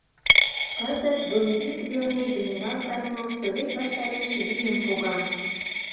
Кызыт Дон вӱд велне генерал Краснов Совет ваштареш вийым пога.